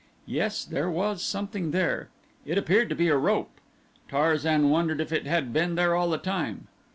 Yes, there was something there. It appeared to be a rope. Tarzan wondered if it had been there all the time.